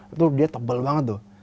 itu dia tebal banget tuh